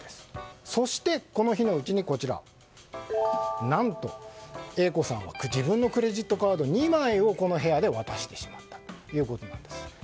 そして、この日のうちに何と、Ａ子さんは自分のクレジットカード２枚をこの部屋で渡してしまったということです。